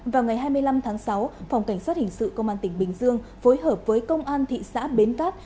vào ngày hai mươi năm tháng sáu phòng cảnh sát hình sự công an tỉnh bình dương phối hợp với công an thị xã bến cát